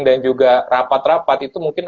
dan juga rapat rapat itu mungkin